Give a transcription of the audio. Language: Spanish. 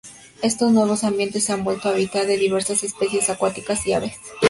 Estos nuevos ambientes se han vuelto hábitat de diversas especies acuáticas y aves.